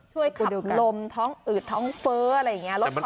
ช่วยขุดลมท้องอืดท้องเฟ้ออะไรอย่างนี้